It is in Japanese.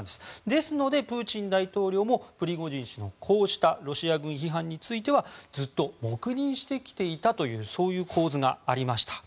ですので、プーチン大統領もプリゴジン氏のこうしたロシア軍批判についてはずっと黙認してきたというそういう構図がありました。